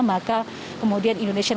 maka kemudian indonesia